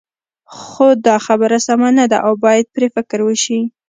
خو دا خبره سمه نه ده او باید پرې فکر وشي.